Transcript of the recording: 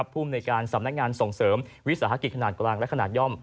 ภูมิในการสำนักงานส่งเสริมวิสาหกิจขนาดกลางและขนาดย่อม